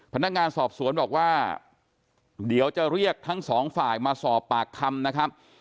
พนักงานสอบสวนบอกว่าเดี๋ยวจะเรียกทั้งสองฝ่ายมาสอบปากคำนะครับ